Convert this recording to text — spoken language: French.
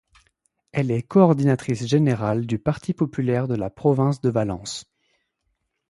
Elle est coordinatrice générale du Parti populaire de la province de Valence.